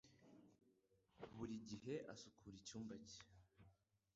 Buri gihe asukura icyumba cye.